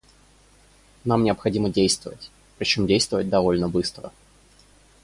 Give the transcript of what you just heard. Нам необходимо действовать, причем действовать довольно быстро.